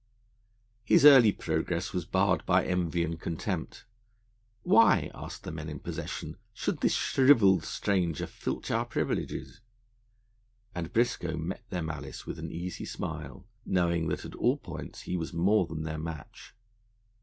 His early progress was barred by envy and contempt. Why, asked the men in possession, should this shrivelled stranger filch our privileges? And Briscoe met their malice with an easy smile, knowing that at all points he was more than their match.